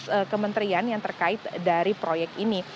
dari kementerian yang terkait dari proyek ini